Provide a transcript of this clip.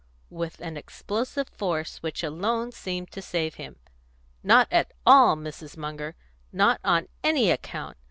with an explosive force which alone seemed to save him. "Not at all, Mrs. Munger; not on any account!